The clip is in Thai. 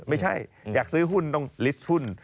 ไม่ใช่อยากซื้อหุ้นต้องลิสต์หุ้น